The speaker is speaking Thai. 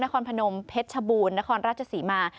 คอพนมเพชรชบูรณ์นครราชศรีมา